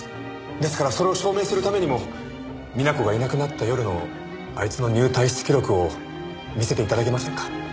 ですからそれを証明するためにも美奈子がいなくなった夜のあいつの入退室記録を見せて頂けませんか？